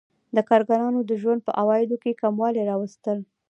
د کارګرانو د ژوند په عوایدو کې کموالی راوستل